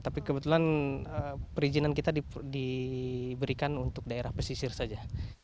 tapi kebetulan perizinan kita diberikan untuk daerah pesisir saja